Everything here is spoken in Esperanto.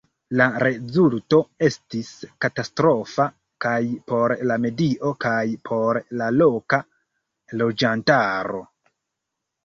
La rezulto estis katastrofa kaj por la medio kaj por la loka loĝantaro.